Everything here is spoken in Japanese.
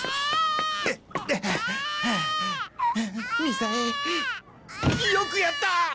みさえよくやった！